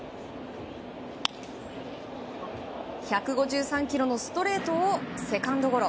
１５３キロのストレートをセカンドゴロ。